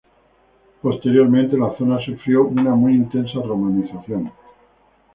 Posteriormente la zona sufrió una muy intensa romanización.